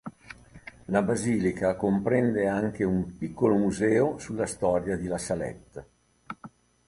La basilica comprende anche un piccolo museo sulla storia di La Salette.